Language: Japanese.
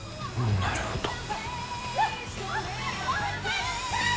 なるほど。